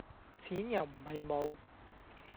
錢又唔係無